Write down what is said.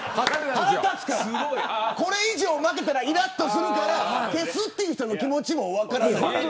これ以上負けたらいらっとするから消す人の気持ちも分からなくもない。